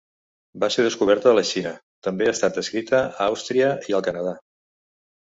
Va ser descoberta a la Xina, també ha estat descrita a Àustria i el Canadà.